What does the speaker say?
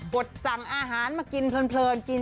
ดสั่งอาหารมากินเพลินกิน